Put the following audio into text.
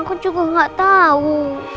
aku juga enggak tau